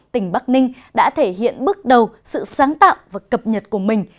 tỉnh bắc ninh đã thể hiện bước đầu sự sáng tạo và cập nhật của mình